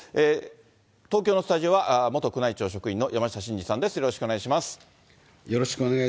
東京のスタジオは、元宮内庁職員の山下晋司さんです。